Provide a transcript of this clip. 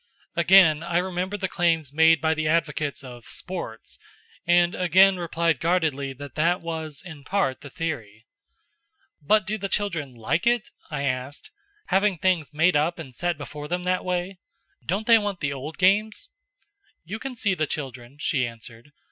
Again I remembered the claims made by the advocates of "sports," and again replied guardedly that that was, in part, the theory. "But do the children like it?" I asked. "Having things made up and set before them that way? Don't they want the old games?" "You can see the children," she answered.